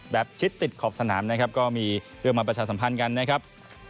ชิดติดขอบสนามนะครับก็มีเรื่องมาประชาสัมพันธ์กันนะครับ